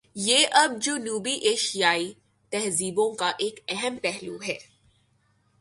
یہ اب جنوبی ایشیائی تہذیبوں کا ایک اہم پہلو ہے۔